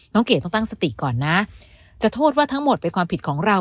เก๋ต้องตั้งสติก่อนนะจะโทษว่าทั้งหมดเป็นความผิดของเรา